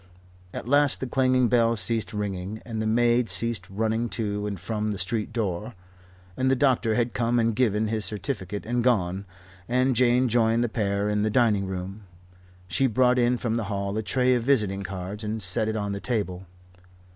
At last the clanging bell ceased ringing, and the maid ceased running to and from the street door, and the doctor had come and given his certificate and gone, and Jane joined the pair in the dining room. She brought in from the hall a tray of visiting cards and set it on the table.